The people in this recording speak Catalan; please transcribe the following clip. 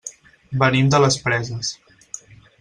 Venim de les Preses.